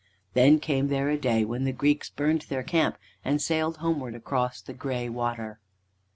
Then came there a day when the Greeks burned their camp and sailed homeward across the gray water.